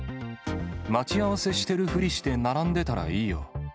待ち合わせしてるふりして並んでたらいいよ。